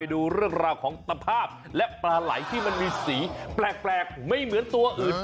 ดูเรื่องราวของตภาพและปลาไหลที่มันมีสีแปลกไม่เหมือนตัวอื่น